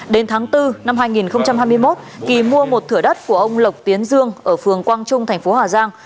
đến tháng bốn năm hai nghìn hai mươi một kỳ mua một thửa đất của ông lộc tiến dương ở phường quang trung thành phố hà giang